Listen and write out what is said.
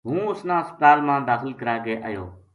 ہوں اس نا ہسپتال ما داخل کرا کے آیو